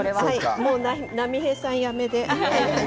もう波平さん、やめで。